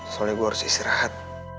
soalnya gue harus istirahat